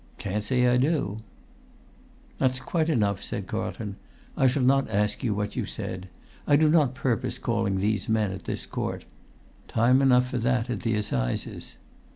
"Can't say I do." "That's quite enough," said Carlton. "I shall not ask you what you said. I do not purpose calling these men, at this court; time enough for that at the assizes."